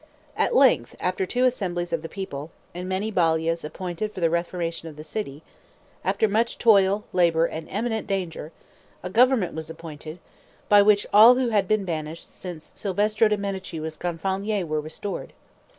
At length, after two assemblies of the people, and many Balias appointed for the reformation of the city; after much toil, labor, and imminent danger, a government was appointed, by which all who had been banished since Salvestro de' Medici was Gonfalonier were restored.